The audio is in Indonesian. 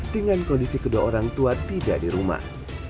dengan kondisi kedua orang tua tidak di rumah